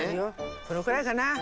このくらいかな？